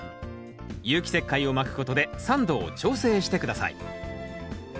有機石灰をまくことで酸度を調整して下さい。